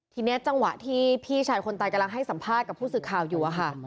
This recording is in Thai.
ทีนี้จังหวะที่พี่ชายคนตายกำลังให้สัมภาษณ์กับผู้สื่อข่าวอยู่อะค่ะ